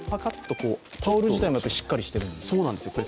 タオル自体もしっかりしているんですか？